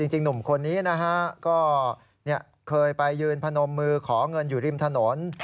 หนุ่มคนนี้นะฮะก็เคยไปยืนพนมมือขอเงินอยู่ริมถนน